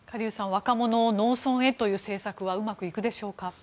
若者を農村へという政策はうまくいくでしょうか。